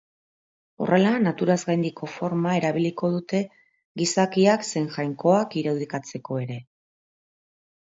Horrela naturazgaindiko forma erabiliko dute gizakiak zein jainkoak irudikatzeko ere.